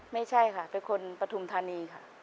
ไม่ใช่ค่ะเป็นคนปฐุมธานีค่ะ